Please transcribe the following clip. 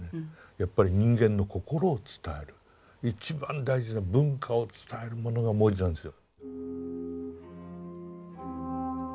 やっぱり人間の心を伝える一番大事な文化を伝えるものが文字なんですよ。